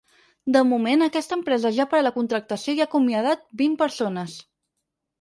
De moment aquesta empresa ja ha parat la contractació i ha acomiadat vint persones.